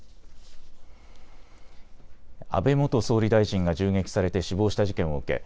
安倍元総理大臣が銃撃されて死亡した事件を受け